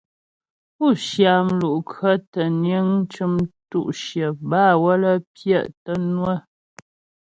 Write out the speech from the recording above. Pú cyǎ mlu'kʉɔ̌ tə́ niŋ cʉm tʉ̌shyə bâ waə́lə́ pyɛ' tə́ ŋwə̌.